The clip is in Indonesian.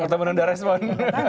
atau menunda respon